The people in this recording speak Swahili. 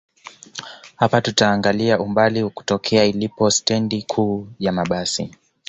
Hapa tutaangalia umbali kutokea ilipo stendi kuu ya mabasi